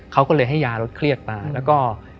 เขาก็เลยให้ยาลดเครียดมาแล้วก็